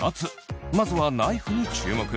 まずはナイフに注目。